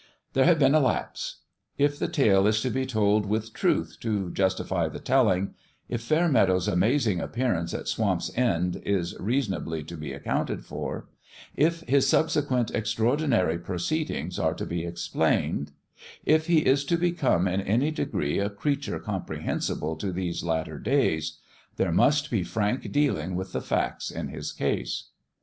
There had been a lapse. If the tale is to be told with truth to justify the telling if Fairmeadow's amazing appearance at Swamp's End is reason ably to be accounted for if his subsequent ex traordinary proceedings are to be explained if he is to become in any degree a creature com prehensible to these latter days there must be frank dealing with the facts in his case.